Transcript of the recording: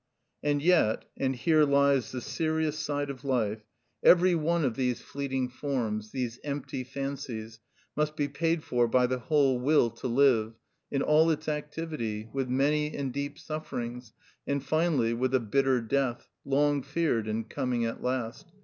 And yet, and here lies the serious side of life, every one of these fleeting forms, these empty fancies, must be paid for by the whole will to live, in all its activity, with many and deep sufferings, and finally with a bitter death, long feared and coming at last.